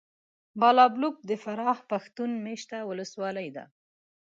بالابلوک د فراه پښتون مېشته ولسوالي ده .